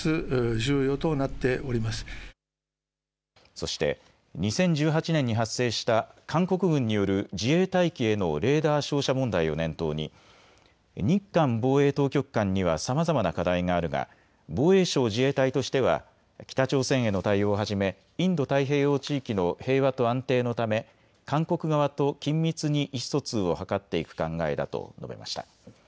そして２０１８年に発生した韓国軍による自衛隊機へのレーダー照射問題を念頭に日韓防衛当局間にはさまざまな課題があるが防衛省・自衛隊としては北朝鮮への対応をはじめインド太平洋地域の平和と安定のため韓国側と緊密に意思疎通を図っていく考えだと述べました。